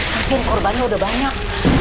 kasian korbannya udah banyak